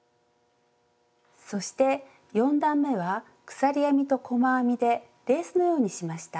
そして４段めは鎖編みと細編みでレースのようにしました。